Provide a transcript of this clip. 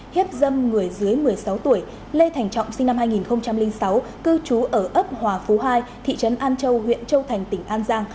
hiếp dâm người dưới một mươi sáu tuổi lê thành trọng sinh năm hai nghìn sáu cư trú ở ấp hòa phú hai thị trấn an châu huyện châu thành tỉnh an giang